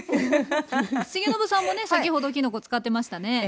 重信さんもね先ほどきのこ使ってましたね。